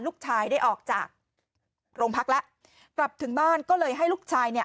ลูกชายได้ออกจากโรงพักแล้วกลับถึงบ้านก็เลยให้ลูกชายเนี่ย